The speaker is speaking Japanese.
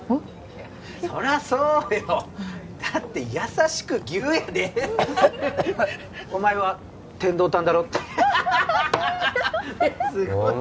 そりゃそうよだって優しくギュッやで「お前は天堂担だろ」ってハハハお前